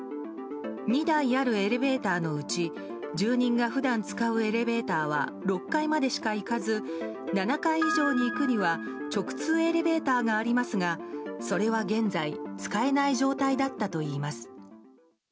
２台あるエレベーターのうち住人が普段使うエレベーターは６階までしか行かず７階以上に行くには直通エレベーターがありますがそれは現在使えない状態だったといいます。